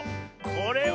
これは。